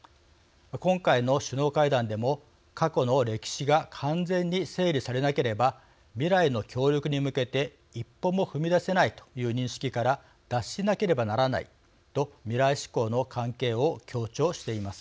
今回の首脳会談でも「過去の歴史が完全に整理されなければ未来の協力に向けて一歩も踏み出せないという認識から脱しなければならない」と未来志向の関係を強調しています。